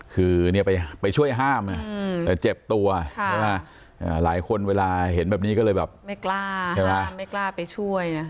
คือไปช่วยห้ามแต่เจ็บตัวใช่ไหมหลายคนเวลาเห็นแบบนี้ก็เลยแบบไม่กล้าใช่ไหมไม่กล้าไปช่วยนะ